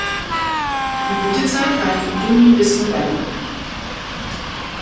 Die Blütezeit reicht von Juni bis November.